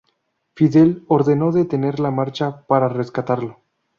Fidel ordenó detener la marcha para rescatarlo.